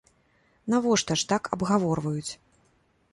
Навошта ж так абгаворваюць?